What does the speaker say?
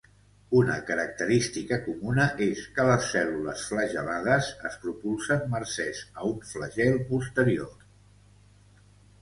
Una característica comuna és que les cèl·lules flagel·lades es propulsen mercès a un flagel posterior.